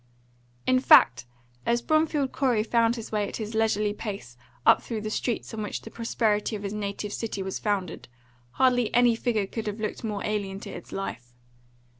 In fact, as Bromfield Corey found his way at his leisurely pace up through the streets on which the prosperity of his native city was founded, hardly any figure could have looked more alien to its life.